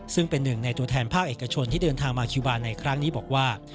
ซึ่งเป็นหนึ่งในตัวแทนภาคเอกชนที่เดินทางมาคิวบาร์ในครั้งนี้บอกว่า